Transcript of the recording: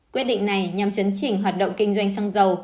quyết định này nhằm chấn chỉnh hoạt động kinh doanh xăng dầu